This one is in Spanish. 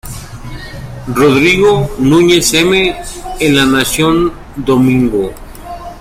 Rodrigo Núñez M. en La Nación Domingo.